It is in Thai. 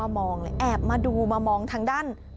มองเลยแอบมาดูมามองทางด้าน